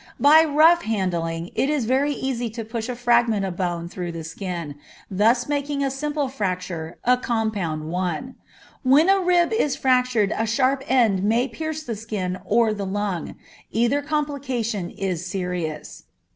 By rough handling it is very easy to push a fragment of bone through the skin, thus making a simple fracture a compound one. When a rib is fractured a sharp end may pierce the skin or the lung; either complication is serious.